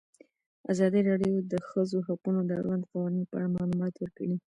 ازادي راډیو د د ښځو حقونه د اړونده قوانینو په اړه معلومات ورکړي.